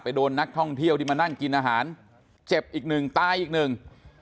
โดนนักท่องเที่ยวที่มานั่งกินอาหารเจ็บอีกหนึ่งตายอีกหนึ่ง